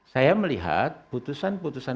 saya melihat putusan putusan